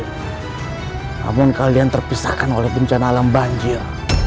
namun kalian terpisahkan oleh bencana alam banjir